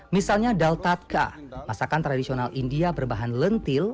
misalnya daltadka masakan tradisional india berbahan lentil